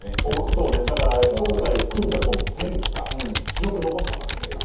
そうねだから今回組んだコンビ全部さ記録残しとかないとさ。